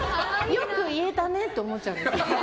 よく言えたねって思っちゃうんです。